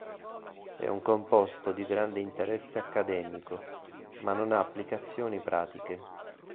È un composto di grande interesse accademico, ma non ha applicazioni pratiche.